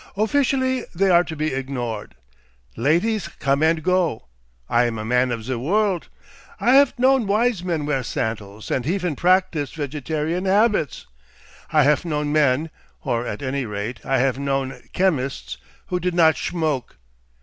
Officially they are to be ignored. Laties come and go I am a man of ze worldt. I haf known wise men wear sandals and efen practice vegetarian habits. I haf known men or at any rate, I haf known chemists who did not schmoke.